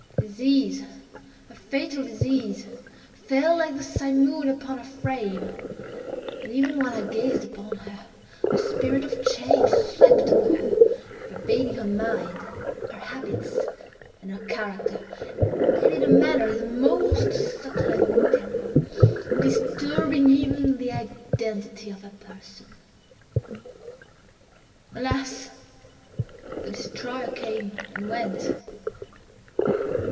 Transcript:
Disease—a fatal disease, fell like the simoon upon her frame; and, even while I gazed upon her, the spirit of change swept over her, pervading her mind, her habits, and her character, and, in a manner the most subtle and terrible, disturbing even the identity of her person! Alas! the destroyer came and went!